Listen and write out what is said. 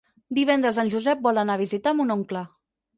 Divendres en Josep vol anar a visitar mon oncle.